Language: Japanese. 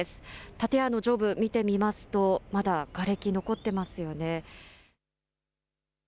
建屋の上部、見てみますと、まだがれき、残っていますよね。